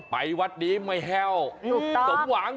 ไปวัดดีไม่แห้วสมหวังสมหวัง